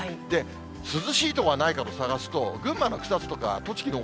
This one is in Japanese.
涼しい所はないかと探すと、群馬の草津とか、栃木の奥